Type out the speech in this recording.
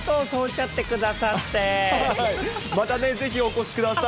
しゃしまたね、ぜひお越しください。